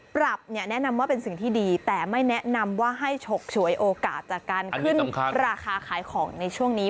ปรับเนี่ยแนะนำว่าเป็นสิ่งที่ดีแต่ไม่แนะนำว่าให้ฉกฉวยโอกาสจากการขึ้นราคาขายของในช่วงนี้